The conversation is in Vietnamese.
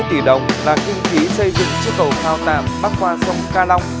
một trăm sáu mươi tỷ đồng là kinh khí xây dựng chiếc cầu cao tạm bắc qua sông ca long